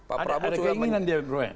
ada keinginan dia bro ya